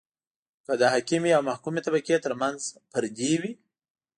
که د حاکمې او محکومې طبقې ترمنځ پردې وي.